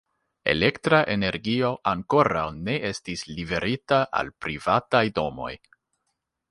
Elektra energio ankoraŭ ne estis liverita al privataj domoj.